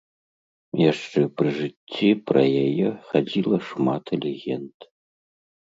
Яшчэ пры жыцці пра яе хадзіла шмат легенд.